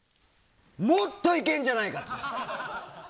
もっと、いけんじゃないかと！